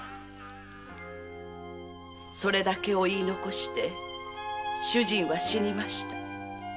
それだけを言い遺して主人は死にました。